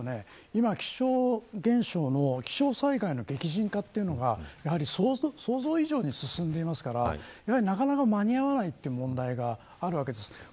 今、気象現象、気象災害の激甚化というのが想像以上に進んでいますからなかなか間に合わないという問題があるわけです。